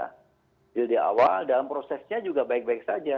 hasil di awal dalam prosesnya juga baik baik saja